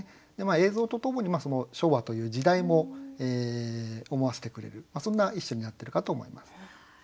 映像とともに昭和という時代も思わせてくれるそんな一首になってるかと思います。